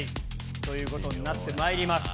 ということになってまいります。